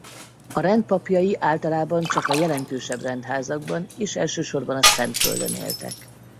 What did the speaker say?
A rend papjai általában csak a jelentősebb rendházakban és elsősorban a Szentföldön éltek.